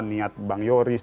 niat bang yoris